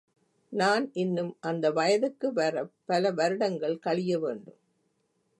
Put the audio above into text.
நான் இன்னும் அந்த வயதுக்கு வரப் பல வருடங்கள் கழிய வேண்டும்.